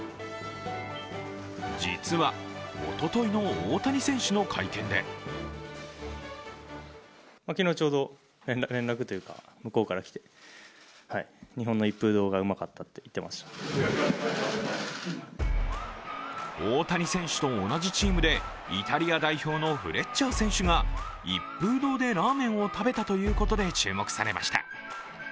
実はおとといの大谷選手の会見で大谷選手と同じチームでイタリア代表のフレッチャー選手が一風堂でラーメンを食べたということで注目されました。